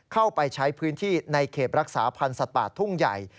เข้าไปใช้พื้นที่ในเขตรักษาพันธ์สัตว์ป่าทุ่งใหญ่